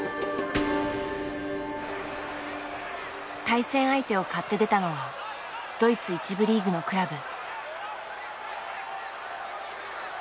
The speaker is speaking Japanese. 対戦相手を買って出たのはドイツ１部リーグのクラブ。